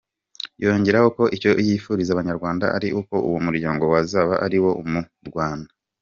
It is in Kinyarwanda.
Yongeraho ko icyo yifuriza Abanyarwanda ari uko uwo muryango wazaba ari uwo mu Rwanda.